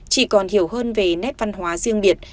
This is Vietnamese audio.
chỉ còn hiểu hơn về nét văn hóa riêng biệt